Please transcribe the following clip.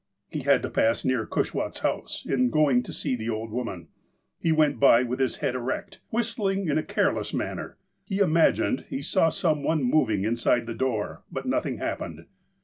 He had to pass near Cushwaht' s house, in going to see the old woman. He went by with his head erect, whis tling in a careless manner. He imagined he saw some one moving inside the door, but nothing happened.